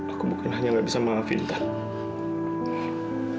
aku bukan hanya nggak bisa maafin tante